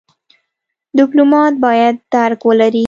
ډيپلومات بايد درک ولري.